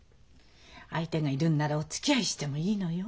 相手がいるんならおつきあいしてもいいのよ。